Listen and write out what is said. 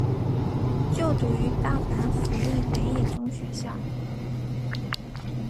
就读于大阪府立北野中学校。